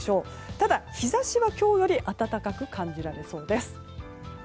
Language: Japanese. ただ、日差しは今日より暖かく感じられそうです。